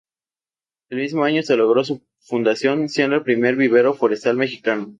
El mismo año se logró su fundación, siendo el primer vivero forestal mexicano.